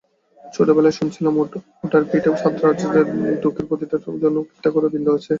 ছেলেবেলায়, শুনেছিলাম ওটার পিঠে সাত রাজ্যের দুঃখের প্রতিটার জন্য একটা করে বিন্দু আছে।